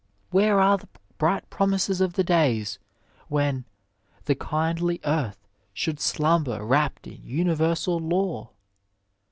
Where are the bright promises of the days when "the kindly earth should slumber rapt in universal law